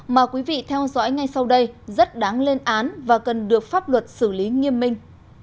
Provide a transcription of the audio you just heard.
mà quý vị theo dõi ngay sau đây rất đáng lên án và cần được pháp luật xử lý nghiêm minh